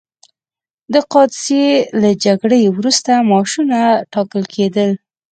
د قادسیې له جګړې وروسته معاشونه ټاکل کېدل.